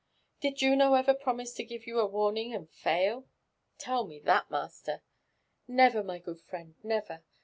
" Did Juno ever promise to give you a warning and fail? Tell me that, master." »" Never, my good friend — never.